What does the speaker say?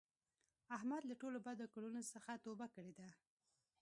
احمد له ټولو بدو کړونو څخه توبه کړې ده.